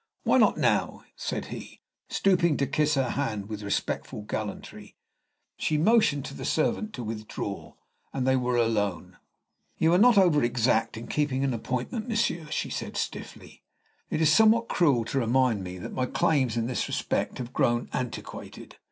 "Why not now?" said he, stooping to kiss her hand with respectful gallantry. She motioned to the servant to withdraw, and they were alone. "You are not over exact in keeping an appointment, monsieur," said she, stiffly. "It is somewhat cruel to remind me that my claims in this respect have grown antiquated."